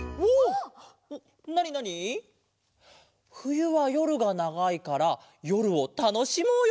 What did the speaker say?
「ふゆはよるがながいからよるをたのしもうよ！」